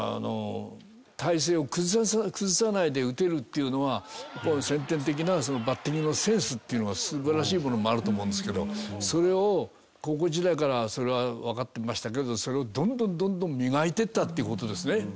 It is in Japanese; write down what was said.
体勢を崩さないで打てるっていうのは先天的なバッティングのセンスっていうのが素晴らしいものもあると思うんですけどそれを高校時代からそれはわかってましたけどそれをどんどんどんどん磨いていったっていう事ですね。